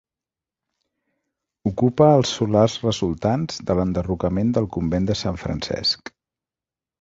Ocupa els solars resultants de l'enderrocament del convent de Sant Francesc.